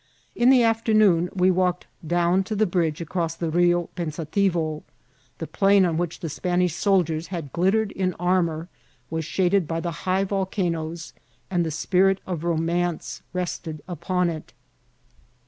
In the afternoon we walked down to the bridge across the Bio Pensativo. The plain on which the Spanish soldiers had glittered in armour was shaded by the high Tolcanoes, and the spirit of romance rested upon it.